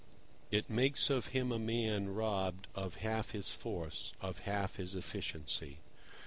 It makes of him a man robbed of half his force, of half his efficiency.